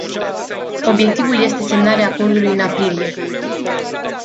Obiectivul este semnarea acordului în aprilie.